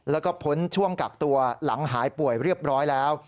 แล้วก็พ้นช่วงกักตัวหลังหายป่วยเรียบร้อยแล้ว